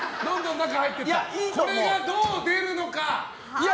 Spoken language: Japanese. これがどう出るのか。